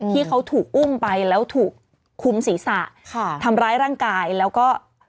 ที่เขาถูกอุ้มไปครูมศีรษะทำร้ายร่างกายแล้วก็